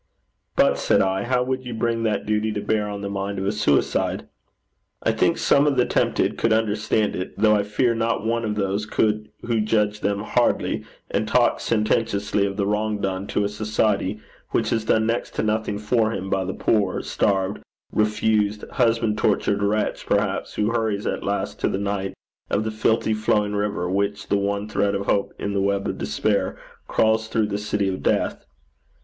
'But,' said I, 'how would you bring that duty to bear on the mind of a suicide?' 'I think some of the tempted could understand it, though I fear not one of those could who judge them hardly, and talk sententiously of the wrong done to a society which has done next to nothing for her, by the poor, starved, refused, husband tortured wretch perhaps, who hurries at last to the might of the filthy flowing river which, the one thread of hope in the web of despair, crawls through the city of death.